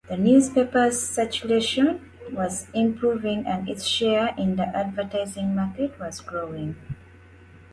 The newspaper's circulation was improving and its share in the advertising market was growing.